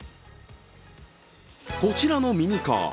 こちらのミニカー。